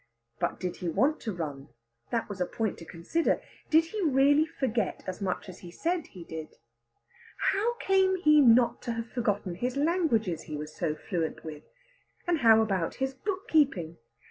But did he want to run? that was a point to consider. Did he really forget as much as he said he did? How came he not to have forgotten his languages he was so fluent with? And how about his book keeping?